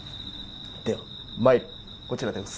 ではこちらです。